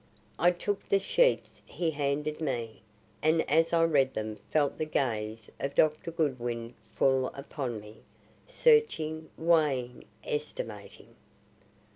I took the sheets he handed me, and as I read them felt the gaze of Dr. Goodwin full upon me, searching, weighing, estimating.